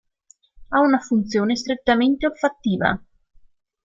Ha una funzione strettamente olfattiva.